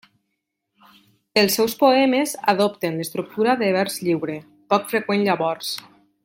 Els seus poemes adopten l'estructura de vers lliure, poc freqüent llavors.